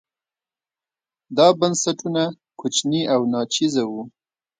دا بنسټونه کوچني او ناچیزه وو.